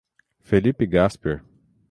Felipe Gasper